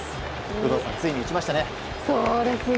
有働さん、ついに打ちましたね。